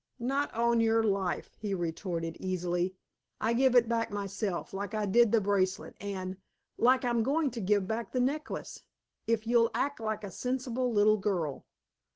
"Not on your life," he retorted easily. "I give it back myself, like I did the bracelet, and like I'm going to give back the necklace, if you'll act like a sensible little girl."